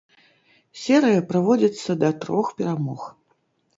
Серыя праводзіцца да трох перамог.